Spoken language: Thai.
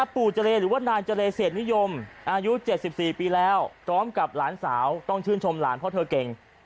เจรหรือว่านายเจรเศษนิยมอายุ๗๔ปีแล้วพร้อมกับหลานสาวต้องชื่นชมหลานเพราะเธอเก่ง